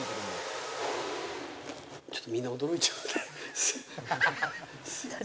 ちょっとみんな驚いちゃう。